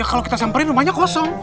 kalau kita samperin rumahnya kosong